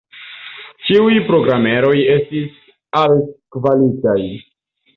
Ĉiuj programeroj estis altkvalitaj.